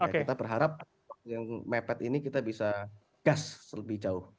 kita berharap yang mepet ini kita bisa gas lebih jauh